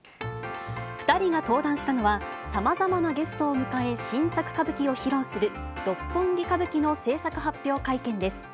２人が登壇したのは、さまざまなゲストを迎え、新作歌舞伎を披露する、六本木歌舞伎の製作発表会見です。